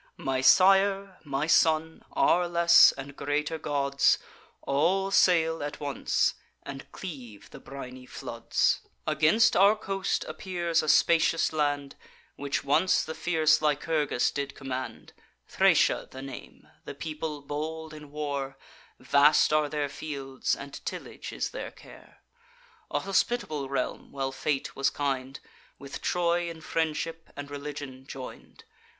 My sire, my son, our less and greater gods, All sail at once, and cleave the briny floods. "Against our coast appears a spacious land, Which once the fierce Lycurgus did command, Thracia the name; the people bold in war; Vast are their fields, and tillage is their care, A hospitable realm while Fate was kind, With Troy in friendship and religion join'd.